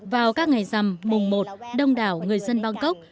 vào các ngày rằm mùng một đông đảo người dân bangkok